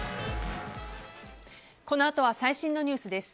このあとは最新のニュースです。